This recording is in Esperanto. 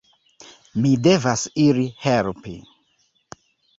Mi devas iri helpi.